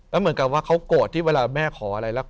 แล้วเหมือนกับว่าเขาโกรธที่เวลาแม่ขออะไรแล้ว